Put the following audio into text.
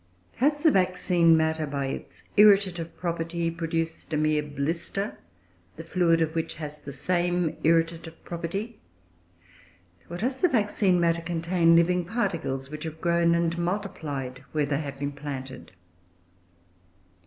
Has the vaccine matter, by its irritative property, produced a mere blister, the fluid of which has the same irritative property? Or does the vaccine matter contain living particles, which have grown and multiplied where they have been planted?